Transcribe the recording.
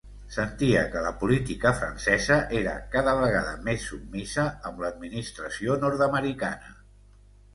Sentia que la política francesa era cada vegada més submisa amb l'administració nord-americana.